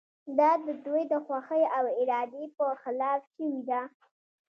دا د دوی د خوښې او ارادې په خلاف شوې ده.